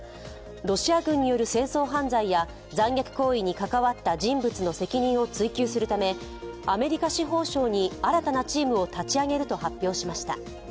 ロシア軍による戦争犯罪や残虐行為に関わった人物の責任を追及するためアメリカ司法省に新たなチームを立ち上げると発表しました。